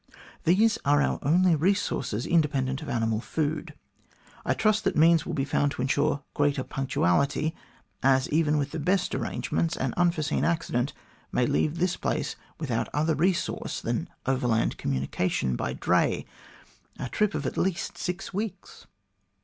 These are our only resources independent of animal food. I trust that means will be found to ensure greater punctuality, as, even with the best arrangements, an unforeseen accident may leave this place without other resource than overland communication by dray, a trip of at least six weeks."